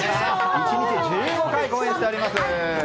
１日１５回公演しております。